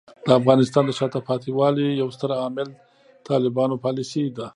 د افغانستان د شاته پاتې والي یو ستر عامل طالبانو پالیسۍ دي.